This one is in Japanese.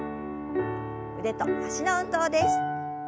腕と脚の運動です。